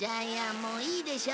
もういいでしょ？